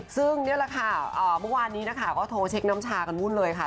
ซึ่งนี่แหละค่ะเมื่อวานนี้นะคะก็โทรเช็คน้ำชากันวุ่นเลยค่ะ